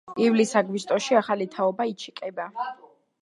ივლის-აგვისტოში ახალი თაობა იჩეკება.